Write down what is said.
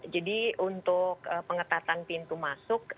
jadi untuk pengetatan pintu masuk